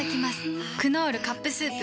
「クノールカップスープ」